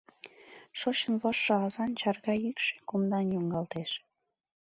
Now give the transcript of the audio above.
Шочын вочшо азан чарга йӱкшӧ Кумдан йоҥгалтеш.